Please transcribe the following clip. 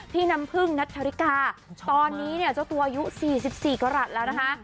พี่น้ำพึ่งนัทธริกาตอนนี้เนี่ยเจ้าตัวอายุ๔๔กรัฐแล้วนะคะ